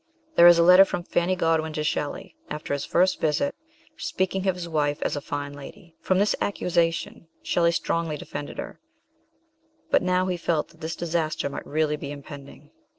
There is a letter from Fanny Godwin to Shelley, after his first visit, speaking of his wife as a fine lady. From this accusation Shelley strongly defended her, but now he felt that this disaster might really be im pending.